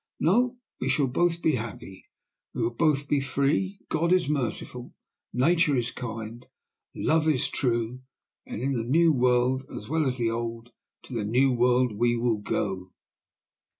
No! We will both be happy we will both be free! God is merciful, Nature is kind, Love is true, in the New World as well as the Old. To the New World we will go!"